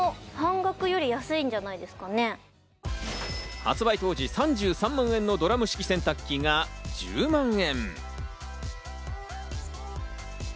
発売当時３３万円のドラム式洗濯機が１０万円。